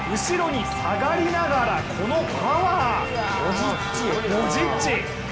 後ろに下がりながら、このパワー！